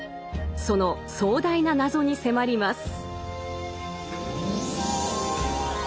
その壮大な謎に迫ります。